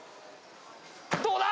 どうだ！？